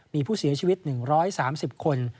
มีผู้เสียชีวิต๑๓๐คน